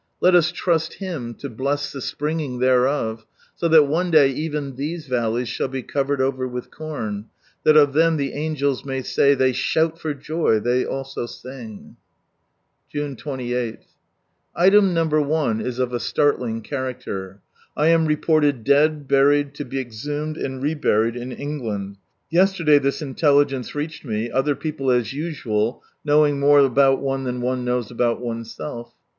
Let us trust Him to bless the springing thereof, so that one day even these valleys shall be I Land covered over with corn, that of ihem the angeia may say " They shout for joy, they also sing." June j8. — Item No. i is of a startling character. I am reported dead, buried, to be exhumed, and reburied in England. Yesterday this intelligence reached me, other people as usual knowing more about one than one knows about oneself.